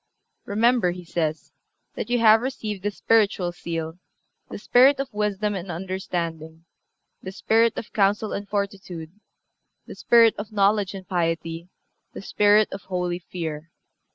"Remember," he says, "that you have received the spiritual seal, the spirit of wisdom and understanding, the spirit of counsel and fortitude, the spirit of knowledge and piety, the spirit of holy fear.